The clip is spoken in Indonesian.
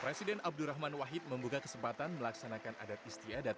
presiden abdurrahman wahid membuka kesempatan melaksanakan adat istiadat